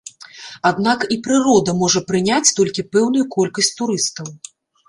Аднак і прырода можа прыняць толькі пэўную колькасць турыстаў.